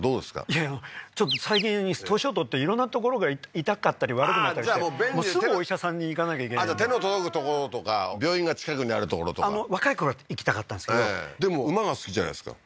いやちょっと最近年を取って色んなところが痛かったり悪くなったりしてすぐお医者さんに行かなきゃいけないんでじゃあ手の届く所とか病院が近くにある所とか若いころは行きたかったんですけどでも馬が好きじゃないですか